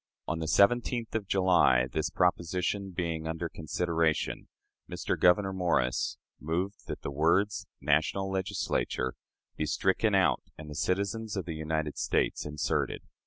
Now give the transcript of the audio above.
On the 17th of July, this proposition being under consideration, Mr. Gouverneur Morris moved that the words "national Legislature" be stricken out, and "citizens of the United States" inserted.